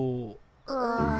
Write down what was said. ああ。